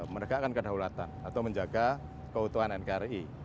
menegakkan kedaulatan atau menjaga keutuhan nkri